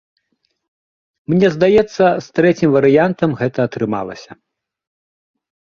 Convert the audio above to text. Мне здаецца, з трэцім варыянтам гэта атрымалася.